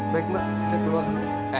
baik mbak saya keluar